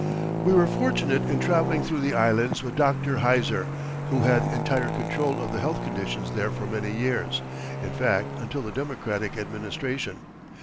We were fortunate in traveling through the Islands with Dr. Heiser, who had entire control of the health conditions there for many years in fact, until the Democratic administration.